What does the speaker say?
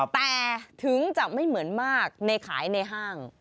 แต่ถึงจะไม่เหมือนมากในขายในห้าง